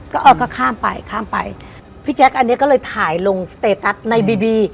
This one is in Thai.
ก็เออก็ข้ามไปข้ามไปพี่แจ๊คอันเนี้ยก็เลยถ่ายลงสเตตัสในบีบี